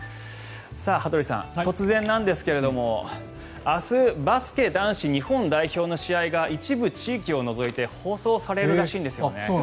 羽鳥さん、突然なんですが明日バスケ男子日本代表の試合が一部地域を除いて放送されるらしいんですよね。